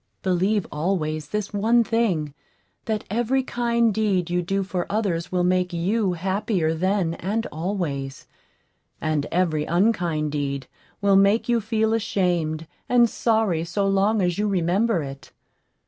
Believe always this one thing that every kind deed you do for others will make you happier then and always, and every unkind deed will make you feel ashamed and sorry so long as you remember it.